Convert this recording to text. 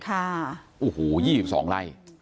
อู้หู๒๒ไร่